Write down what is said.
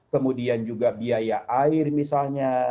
kemudian juga biaya air misalnya